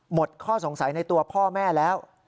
หมดข้อสงสัยในตัวพ่อแม่แล้ว